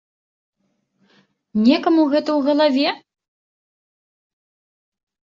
Некаму гэта ў галаве?!